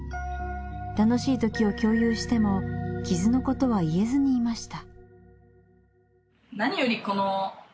楽しいときを共有しても傷のことは言えずにいました。